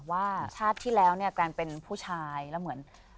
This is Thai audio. ว่าชาติที่แล้วเนี่ยการเป็นผู้ชายแล้วเหมือน